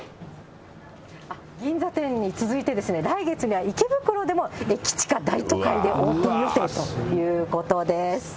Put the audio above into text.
銀座店に続いて、来月には池袋でも駅近、大都会でオープン予定ということです。